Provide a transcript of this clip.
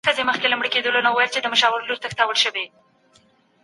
طبیعت خپله پرېکړه کوي.